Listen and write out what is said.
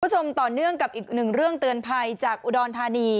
คุณผู้ชมต่อเนื่องกับอีกหนึ่งเรื่องเตือนภัยจากอุดรธานี